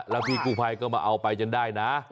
แล้วพี่กูไพก็เอาไปอาจจะได้นะ